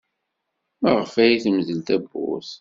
Maɣef ay temdel tewwurt?